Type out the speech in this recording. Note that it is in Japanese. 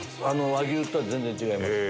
和牛とは全然違います。